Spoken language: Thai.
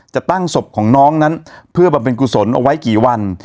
จะตั้งศพของน้องนั้นเพื่อบำเพ็ญกุศลเอาไว้กี่วัน